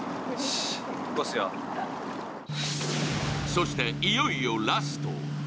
そして、いよいよラスト。